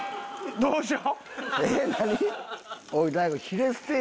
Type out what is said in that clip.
どうしよう？